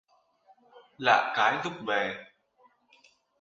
lạ cái lúc về